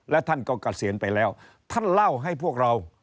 และท่านก็เกษียณไปแล้วท่านเล่าให้พวกเรา